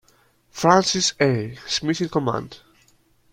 Francis A. Smith in command.